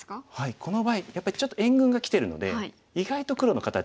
この場合やっぱりちょっと援軍がきてるので意外と黒の形ダメがツマってます。